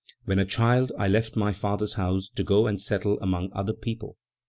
When a child I left my father's house to go and settle among other people.